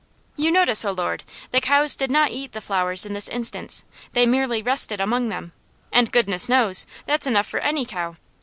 "You notice, O Lord, the cows did not eat the flowers in this instance; they merely rested among them, and goodness knows, that's enough for any cow.